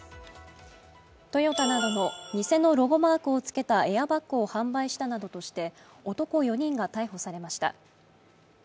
トヨタなどの偽のロゴマークをつけたエアバッグを販売したなどとして男４人が逮捕されました。